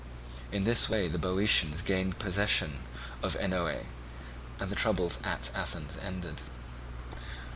In this way the Boeotians gained possession of Oenoe, and the oligarchy and the troubles at Athens ended.